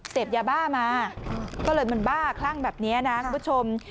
เสพยาบ้ามาก็เลยมันบ้าคลั่งแบบนี้นะคุณผู้ชม